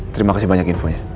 terima kasih banyak infonya